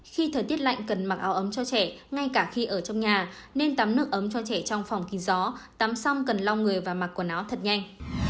khi thời tiết lạnh cần mặc áo ấm cho trẻ ngay cả khi ở trong nhà nên tắm nước ấm cho trẻ trong phòng kín gió tắm sông cần long người và mặc quần áo thật nhanh